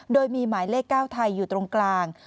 โดยมีหมายเลข๙ไทยอยู่ตรงกลาง